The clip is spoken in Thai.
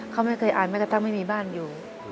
เขาไม่เคยอ่านแม้กระทั่งไม่มีบ้านอยู่